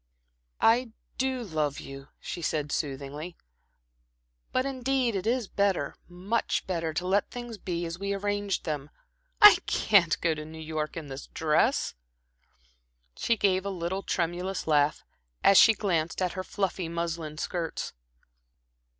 "I do love you," she said, soothingly, "but indeed it is better much better to let things be as we arranged them. I can't go to New York in this dress" she gave a little tremulous laugh, as she glanced at her fluffy muslin skirts.